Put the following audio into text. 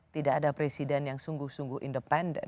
tidak ada presiden yang sungguh sungguh independen